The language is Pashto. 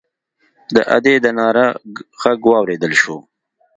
د ادي د ناره غږ واورېدل شو.